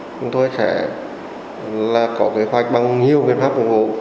chúng tôi sẽ có kế hoạch bằng nhiều biện pháp ủng hộ